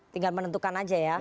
tinggal menentukan aja ya